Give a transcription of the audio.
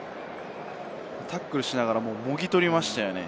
タックルしながら、もぎ取りましたよね。